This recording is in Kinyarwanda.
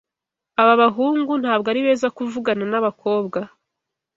Aba bahungu ntabwo ari beza kuvugana nabakobwa